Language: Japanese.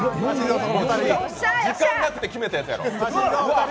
時間なくて決めたやつやろ。